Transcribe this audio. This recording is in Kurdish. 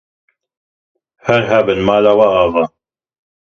Her hebin, mala we ava.